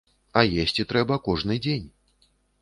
А есці трэба кожны дзень.